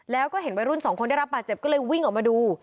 แล้วก็เห็นวัยรุ่นสองคนได้รับบาดเจ็บก็เลยวิ่งออกมาดู